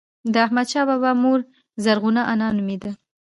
د احمدشاه بابا مور زرغونه انا نوميږي.